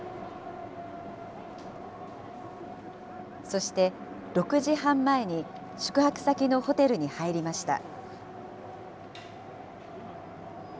そして、６時半前に宿泊先のホテルに入りました。